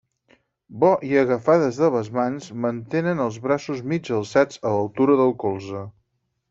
Bo i agafades de les mans, mantenen els braços mig alçats a l'altura del colze.